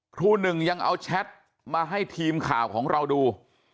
ครูหนึ่งยังเอาแชทมาให้ทีมข่าวของเราดู